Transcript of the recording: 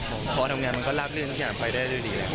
เพราะทำงานก็รับเนื่องทุกอย่างไปได้ด้วยดี